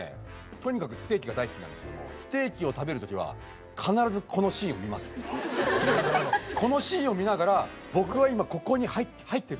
とにかくステーキが大好きなんですけどもこのシーンを見ながら僕は今ここに入ってると。